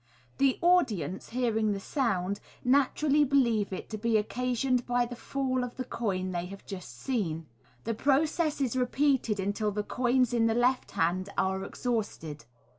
The audience, hearing the Sound, naturally believe it to be occasioned by the fall of the coin they have just seen. The process is repeated until the coins in the left hand are exhausted.